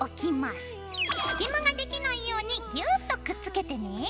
すき間ができないようにギューっとくっつけてね。